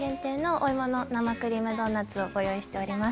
お芋の生クリームドーナツご用意しております。